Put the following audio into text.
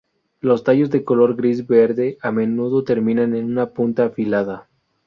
Los tallos de color gris-verde a menudo terminan en una punta afilada.